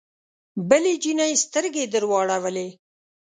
بلې جینۍ سترګې درواړولې